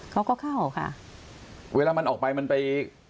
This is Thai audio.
เขาก็เข้าค่ะเวลามันออกไปมันไป